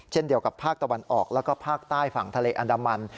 เช่นเดียวกับภาคตะวันออกแล้วก็ภาคใต้ฝั่งทะเลอันดามัน